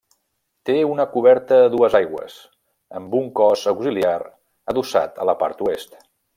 Té una coberta a dues aigües, amb un cos auxiliar adossat a la part oest.